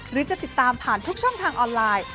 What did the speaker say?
หรือจะติดตามผ่านทุกช่องทางออนไลน์